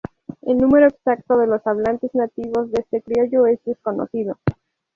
El numero exacto de los hablantes nativos de este criollo es desconocido.